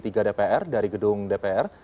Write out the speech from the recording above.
tiga dpr dari gedung dpr